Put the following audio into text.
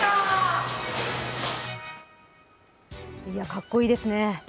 かっこいいですね。